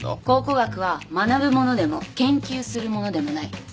考古学は学ぶものでも研究するものでもない。